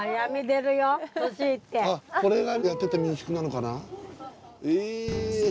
これがやってた民宿なのかな？